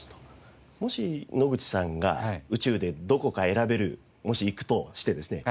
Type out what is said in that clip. もし野口さんが宇宙でどこか選べるもし行くとしてですね。